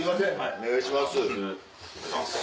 お願いします。